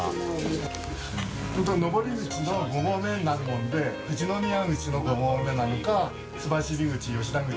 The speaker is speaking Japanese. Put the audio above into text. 登り口の５合目になるもんで富士宮口の５合目なのか須走口吉田口